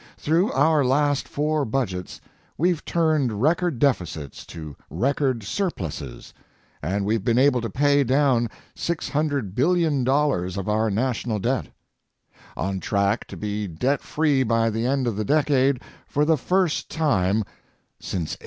Through our last four budgets, we've turned record deficits to record surpluses and we've been able to pay down $600 billion of our national debt, on track to be debt free by the end of the decade for the first time since 1835.